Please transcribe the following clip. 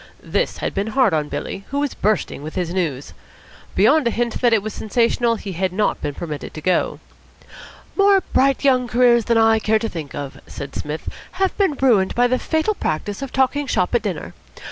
This had been hard on Billy, who was bursting with his news. Beyond a hint that it was sensational he had not been permitted to go. "More bright young careers than I care to think of," said Psmith, "have been ruined by the fatal practice of talking shop at dinner.